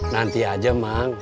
nanti aja mak